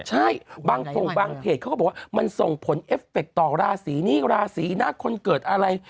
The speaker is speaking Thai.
ใช่บางเพจเขาก็บอกว่ามันส่งผลเอฟเฟคต่อราศีนี้ราศีหน้าคนเกิดอะไร